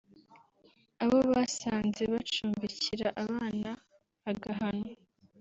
abo basanze bacumbikira abana bagahanwa